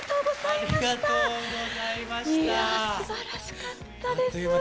いやあすばらしかったです。